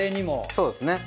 そうですね。